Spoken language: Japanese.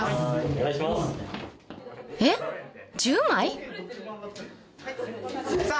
えっ１０枚？